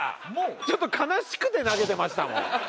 ちょっと悲しくて投げてましたもん。